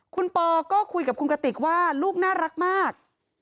คุณปอก็คุยกับคุณกระติกว่าลูกน่ารักมาก